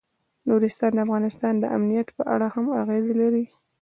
نورستان د افغانستان د امنیت په اړه هم اغېز لري.